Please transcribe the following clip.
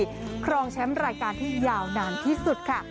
คนอื่นคำถูกรองเช้มรายการที่ยาวนานที่สุด